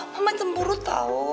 mama cemburu tau